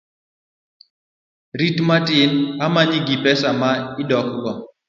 Rit matin amany ni pesa ma idok go